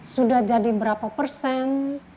sudah jadi berapa persen